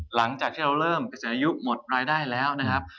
หลังจากที่เราเริ่มเกษียณอายุหมดรายได้แล้วนะครับ